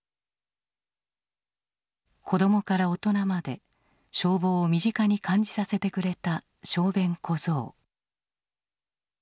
子どもから大人まで消防を身近に感じさせてくれた小便小僧。